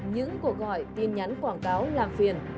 những cuộc gọi tin nhắn quảng cáo làm phiền